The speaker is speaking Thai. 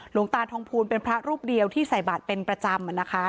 หลวงตาทองภูลเป็นพระรูปเดียวที่ใส่บาทเป็นประจำนะคะ